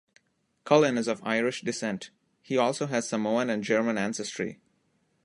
Cullen is of Irish descent; he also has Samoan and German ancestry.